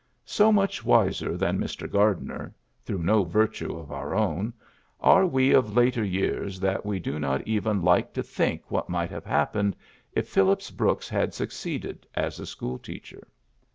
14 ' PHILLIPS BEOOKS So mucti wiser than Mr. Gardner through no virtue of our own are we of later years that we do not even like to think what might have happened if Phillips Brooks had succeeded as a school teacher.